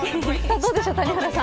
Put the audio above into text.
どうでしょう、谷原さん。